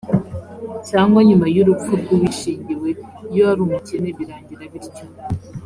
cyangwa nyuma y’urupfu rw’uwishingiwe iyo ari umukene birangira bityo‽